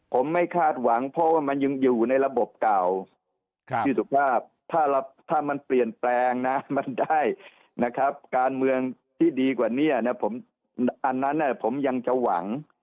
ผมไม่คาดหวังเพราะว่ามันยังอยู่ในระบบเก่าพี่สุภาพถ้ามันเปลี่ยนแปลงนะมันได้นะครับการเมืองที่ดีกว่านี้นะผมอันนั้นผมยังจะหวัง